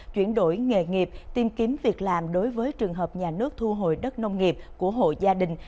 chuyển đổi nghề nghiệp tìm kiếm việc làm đối với trường hợp nhà nước thu hồi đất nông nghiệp của hộ gia đình